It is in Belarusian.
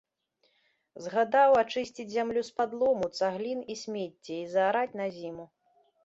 Загадаў ачысціць зямлю з-пад лому, цаглін і смецця і заараць на зіму.